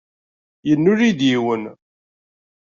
Yennul-iyi-d yiwen.